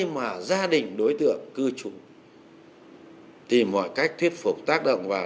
và các đầu mối mua hàng